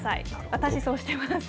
私、そうしてます。